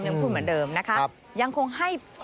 ยังคุยเหมือนเดิมนะคะ